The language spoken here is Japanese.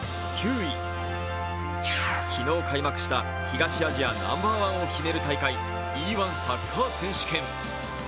昨日開幕した東アジアナンバー１を決める大会Ｅ−１サッカー選手権。